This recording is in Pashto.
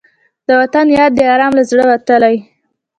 د وطن یاد دې ارام له زړه لوټلی